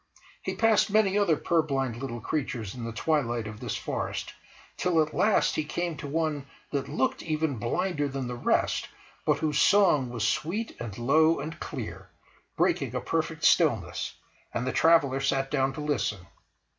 He passed many other purblind little creatures in the twilight of this forest, till at last he came to one that looked even blinder than the rest, but whose song was sweet and low and clear, breaking a perfect stillness; and the traveller sat down to listen.